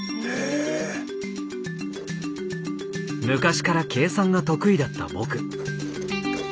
昔から計算が得意だった僕。